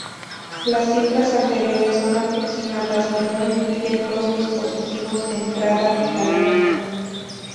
Las cifras anteriores son aproximadas y no incluyen los dispositivos de entrada-salida.